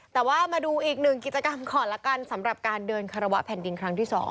แต่ว่ามาดูอีกหนึ่งกิจกรรมก่อนละกันสำหรับการเดินคารวะแผ่นดินครั้งที่๒